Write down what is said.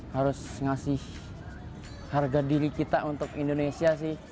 harus ngasih harga diri kita untuk indonesia sih